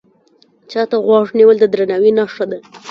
چا ته غوږ نیول د درناوي نښه ده